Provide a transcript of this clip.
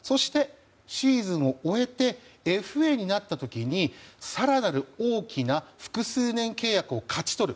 シーズンを終えてＦＡになった時に、更なる大きな複数年契約を勝ち取る。